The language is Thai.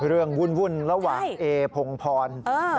เรื่องวุ่นระหว่างเอพงศ์พร